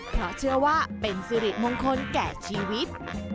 เพราะเชื่อว่าเป็นสิริมงคลแก่ชีวิต